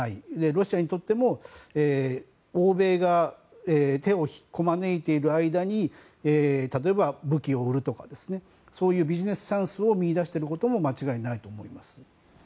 ロシアにとっても欧米が手をこまねいている間に例えば武器を売るとかそういうビジネスチャンスを見いだしていることも間違いないと思います。